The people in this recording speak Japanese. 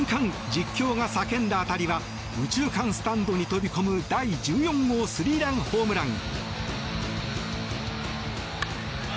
実況が叫んだ当たりは右中間スタンドに飛び込む第１４号スリーランホームラン。